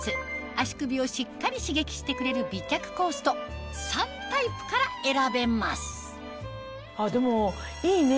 足首をしっかり刺激してくれる美脚コースと３タイプから選べますでもいいね